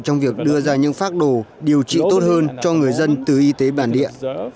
trong việc đưa ra những phác đồ điều trị tốt hơn cho người dân từ y tế bản địa